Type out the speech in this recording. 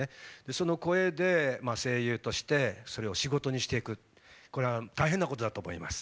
その声で声優としてそれを仕事にしていくこれは大変だと思います。